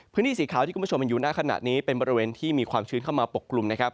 พื้นที่สีขาวที่คุณผู้ชมเห็นอยู่หน้าขณะนี้เป็นบริเวณที่มีความชื้นเข้ามาปกกลุ่มนะครับ